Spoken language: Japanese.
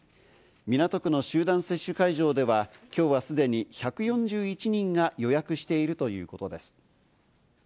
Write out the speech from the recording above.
港区の集団接種会場では、今日はすでに１４１人が予約しているということです。